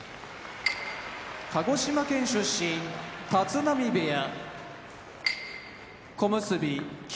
鹿児島県出身立浪部屋小結・霧